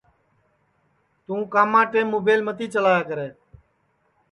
توں کاما کے ٹیم مُبیل متی چلایا کرے